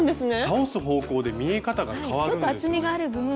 倒す方向で見え方が変わるんですよね。